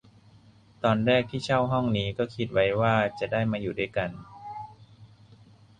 ตอนแรกที่เช่าห้องนี้ ก็คิดไว้ว่าจะได้มาอยู่ด้วยกัน